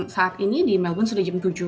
saat ini di melbourne sudah jam tujuh